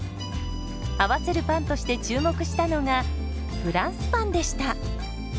合わせるパンとして注目したのがフランスパンでした。